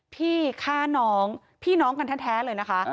พี่ฆ่าน้องพี่น้องกันแท้เลยนะคะ